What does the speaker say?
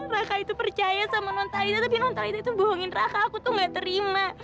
raka itu percaya sama nontalita tapi nontalita itu bohongin raka aku tuh nggak terima